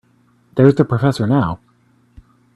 There's the professor now.